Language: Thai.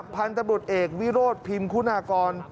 พันธบุรตเอกวิโรศพิมพ์คุณากร